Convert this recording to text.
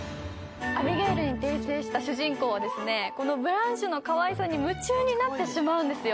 アビゲールに転生した少女はこのブランシュのかわいさに夢中になってしまうんですよ。